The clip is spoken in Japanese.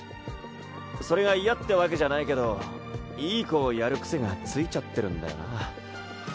それが嫌ってわけじゃないけどいい子をやるクセがついちゃってるんだよな。